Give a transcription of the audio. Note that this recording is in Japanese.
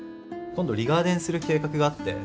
今度リガーデンする計画があって。